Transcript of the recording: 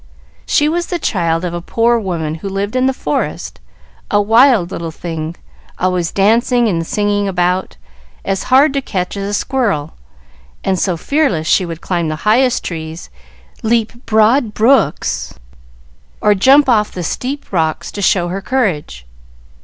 She was the child of a poor woman who lived in the forest a wild little thing, always dancing and singing about; as hard to catch as a squirrel, and so fearless she would climb the highest trees, leap broad brooks, or jump off the steep rocks to show her courage.